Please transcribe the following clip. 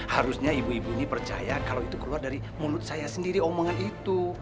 harusnya ibu ibu ini percaya kalau itu keluar dari mulut saya sendiri omongan itu